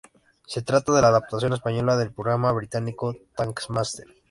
Se trata de la adaptación española del programa británico ""Taskmaster"".